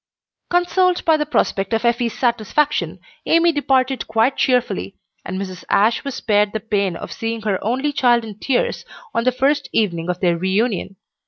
Consoled by the prospect of Effie's satisfaction, Amy departed quite cheerfully, and Mrs. Ashe was spared the pain of seeing her only child in tears on the first evening of their reunion.